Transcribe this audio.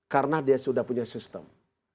karena dia sudah punya sistem